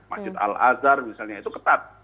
masjid al azhar misalnya itu ketat